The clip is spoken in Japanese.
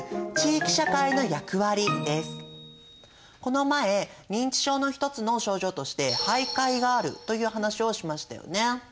この前認知症の一つの症状として徘徊があるという話をしましたよね。